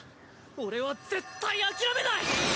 俺は絶対諦めない！